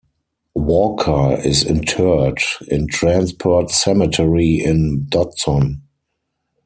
Walker is interred in Transport Cemetery in Dodson.